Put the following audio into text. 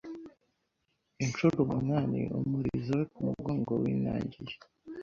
Inshuro umunani umurizo we ku mugongo winangiye